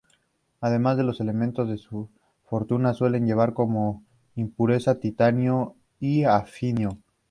Además de los elementos de su fórmula, suele llevar como impurezas: titanio y hafnio.